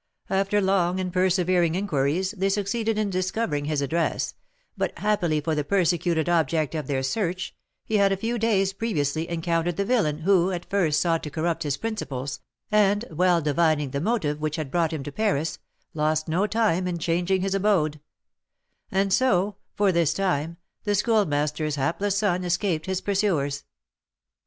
After long and persevering inquiries, they succeeded in discovering his address, but, happily for the persecuted object of their search, he had a few days previously encountered the villain who had first sought to corrupt his principles, and, well divining the motive which had brought him to Paris, lost no time in changing his abode; and so, for this time, the Schoolmaster's hapless son escaped his pursuers.